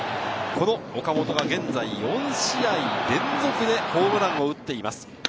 岡本は現在４試合連続でホームランを打っています。